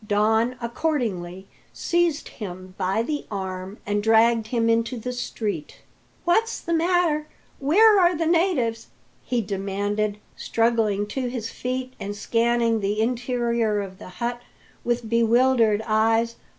Don accordingly seized him by the arm and dragged him into the street. "What's the matter? Where are the natives?" he demanded, struggling to his feet, and scanning the interior of the hut with bewildered eyes.